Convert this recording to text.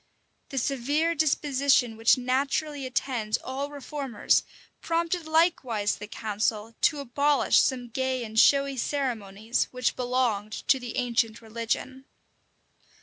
The severe disposition which naturally attends all reformers prompted likewise the council to abolish some gay and showy ceremonies which belonged to the ancient religion.